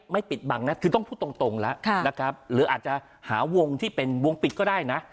ปิดบังนะคือต้องพูดตรงแล้วนะครับหรืออาจจะหาวงที่เป็นวงปิดก็ได้นะ